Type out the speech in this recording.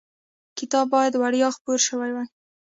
کتاب باید وړیا خپور شوی وای.